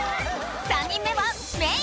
３人目はメイ！